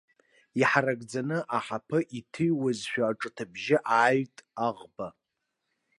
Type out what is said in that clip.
Иҳаракӡаны, аҳаԥы иҭыҩуазшәа, аҿыҭыбжьы ааҩит аӷба.